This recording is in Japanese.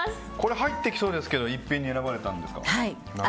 入ってきそうですけど逸品に選ばれたんですか？